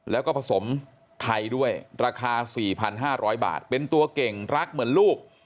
แล้วก็ผสมไทยด้วยราคา๔๕๐๐บาทเป็นตัวเก่งรักเหมือนลูก